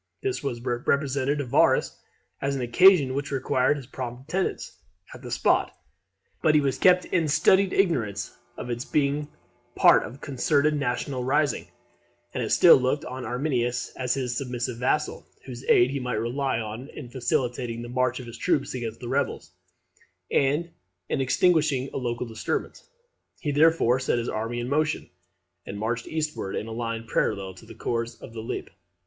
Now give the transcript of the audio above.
This was represented to Varus as an occasion which required his prompt attendance at the spot; but he was kept in studied ignorance of its being part of a concerted national rising; and he still looked on Arminius as his submissive vassal, whose aid he might rely on in facilitating the march of his troops against the rebels, and in extinguishing the local disturbance. He therefore set his army in motion, and marched eastward in a line parallel to the course of the Lippe.